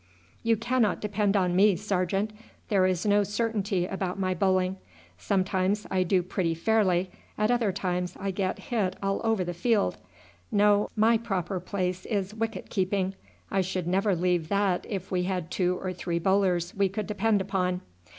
"You cannot depend on me, sergeant; there is no certainty about my bowling. Sometimes I do pretty fairly, at other times I get hit all over the field. No; my proper place is wicket keeping. I should never leave that if we had two or three bowlers we could depend upon.